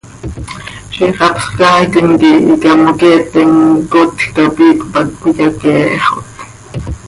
Ziix hapsx caaitim quih icamoqueepe imcotj cap iicp hac cöiyaqueexot.